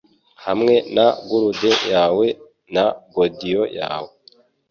Hamwe na gurude yawe na godiyo yawe.